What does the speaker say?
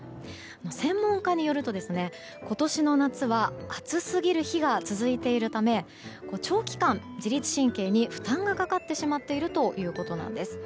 専門家によると、今年の夏は暑すぎる日が続いているため長期間自律神経に負担がかかってしまっているということなんです。